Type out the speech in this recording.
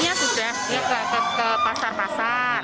ini ya sudah ya ke pasar pasar